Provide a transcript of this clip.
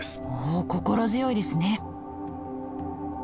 お心強いですね！